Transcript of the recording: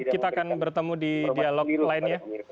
kita akan bertemu di dialog lainnya